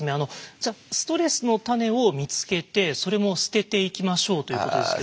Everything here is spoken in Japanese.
「ストレスのタネを見つけてそれも捨てていきましょう」ということですけど。